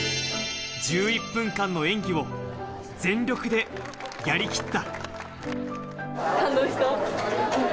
１１分間の演技を全力でやりきった。